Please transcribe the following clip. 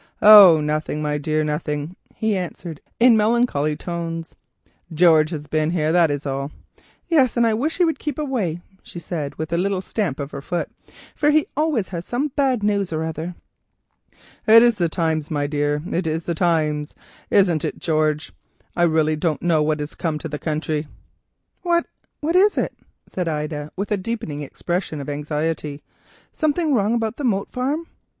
"Oh, nothing, my dear, nothing," he answered in melancholy tones. "George has been here, that is all." "Yes, and I wish he would keep away," she said with a little stamp of her foot, "for he always brings some bad news or other." "It is the times, my dear, it is the times; it isn't George. I really don't know what has come to the country." "What is it?" said Ida with a deepening expression of anxiety. "Something wrong with the Moat Farm?"